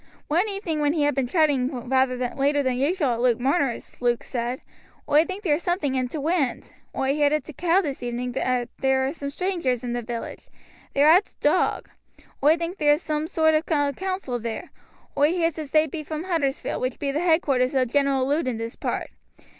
One evening when he had been chatting rather later than usual at Luke Marner's, Luke said: "Oi think there's something i' t' wind. Oi heerd at t' Cow this evening that there are some straangers i' the village. They're at t' Dog. Oi thinks there's soom sort ov a council there. Oi heers as they be from Huddersfield, which be the headquarters o' General Lud in this part.